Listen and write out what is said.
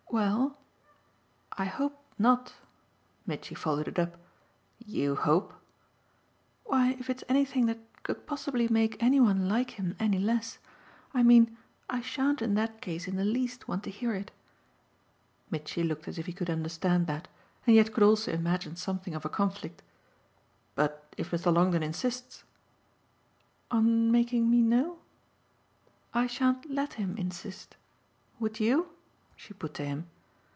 "Well I hope not." Mitchy followed it up. "You 'hope' ?" "Why if it's anything that could possibly make any one like him any less. I mean I shan't in that case in the least want to hear it." Mitchy looked as if he could understand that and yet could also imagine something of a conflict. "But if Mr. Longdon insists ?" "On making me know? I shan't let him insist. Would YOU?" she put to him.